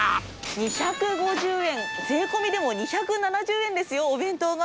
２５０円、税込みでも２７０円ですよ、お弁当が。